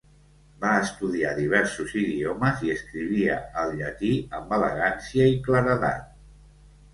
Va estudiar diversos idiomes i escrivia el llatí amb elegància i claredat.